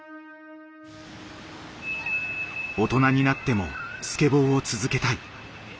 大人になってもスケボーを続けたい。